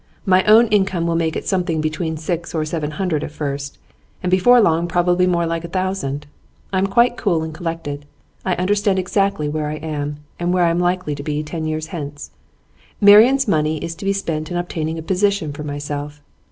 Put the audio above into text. My own income will make it something between six or seven hundred at first, and before long probably more like a thousand. I am quite cool and collected. I understand exactly where I am, and where I am likely to be ten years hence. Marian's money is to be spent in obtaining a position for myself.